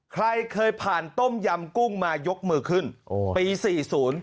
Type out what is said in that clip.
ใครเคยผ่านต้มยำกุ้งมายกมือขึ้นปี๔๐